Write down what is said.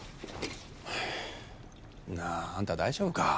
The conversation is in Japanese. なああんた大丈夫か？